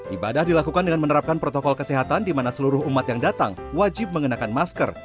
ibadah dilakukan dengan menerapkan protokol kesehatan di mana seluruh umat yang datang wajib mengenakan masker